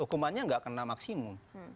hukumannya gak kena maksimum